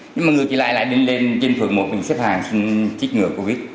nhưng mà người ta lại lên trên phường một mình xếp hàng xin chích ngừa covid